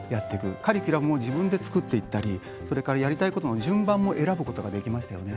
カリキュラムを自分で作っていったりそれからやりたいことの順番も選ぶことができましたよね。